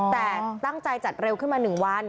แต่ตั้งใจจัดเร็วขึ้นมา๑วัน